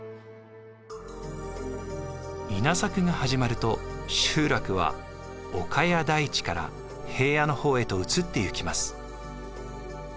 稲作が始まると集落は丘や大地から平野の方へと移っていきます。